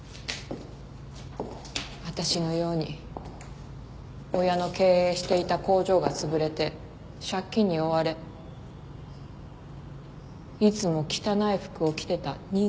私のように親の経営していた工場がつぶれて借金に追われいつも汚い服を着てた人間もいる。